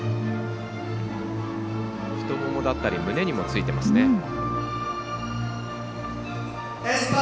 太ももだったり胸にもついていますね。